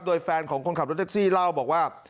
โดยแฟนของคนขับรถแท็กซี่เล่าบอกว่า